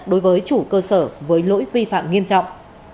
đối với chủ cơ sở với lỗi vi phạm nghiêm trọng